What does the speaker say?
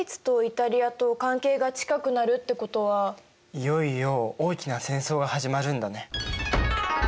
いよいよ大きな戦争が始まるんだね。